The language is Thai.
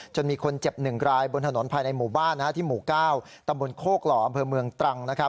มีคนเจ็บ๑รายบนถนนภายในหมู่บ้านที่หมู่๙ตำบลโคกหล่ออำเภอเมืองตรัง